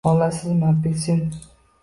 Olasizmi apelsin